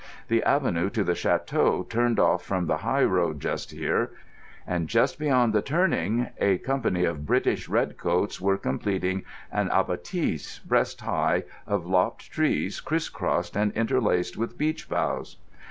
The avenue to the château turned off from the high road just here; and just beyond the turning a company of British red coats were completing an abattis, breast high, of lopped trees criss crossed and interlaced with beech boughs.